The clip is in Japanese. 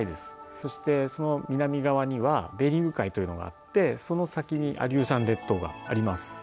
そしてその南側にはベーリング海というのがあってその先にアリューシャン列島があります。